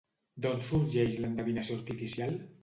D'on sorgeix l'endevinació artificial?